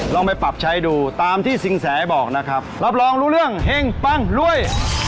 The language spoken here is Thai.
ลองไปปรับใช้ดูตามที่สินแสบอกนะครับรับรองรู้เรื่องเฮ่งปังรวย